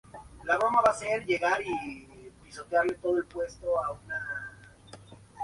Pasaron cien años y Piedritas fue creciendo constantemente.